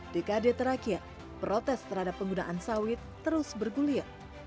dekade terakhir protes terhadap penggunaan sawit terus bergulir